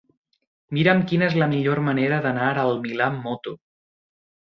Mira'm quina és la millor manera d'anar al Milà amb moto.